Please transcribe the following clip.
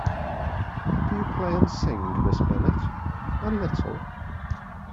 Do you play and sing, Miss Bennet?” “A little.”